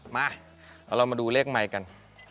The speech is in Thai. มาเอาเรามาดูเลขไมค์กัน